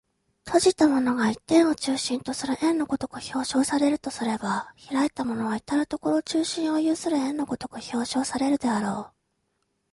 閉じたものが一点を中心とする円の如く表象されるとすれば、開いたものは到る処中心を有する円の如く表象されるであろう。